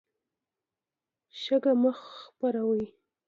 شګه مه خپروئ.